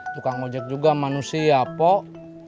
tukang ojek juga manusia pok